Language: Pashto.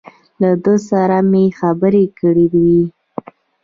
له ده سره مې خبرې کړې وې.